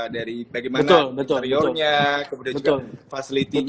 dari bagaimana interiornya kemudian juga facility nya